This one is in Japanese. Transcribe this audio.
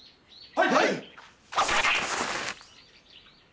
はい！